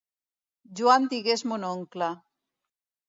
Joan digués mon oncle.